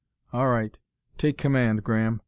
All right: take command, Graham.